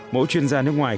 mỗi chuyên gia nước ngoài